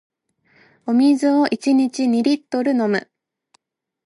お水を一日二リットル飲む